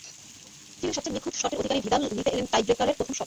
চিলির সবচেয়ে নিখুঁত শটের অধিকারী ভিদাল নিতে এলেন টাইব্রেকারের প্রথম শট।